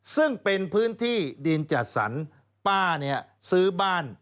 ซึ่งเป็นพื้นที่ดินจัดสรรป้าเนี่ยซื้อบ้าน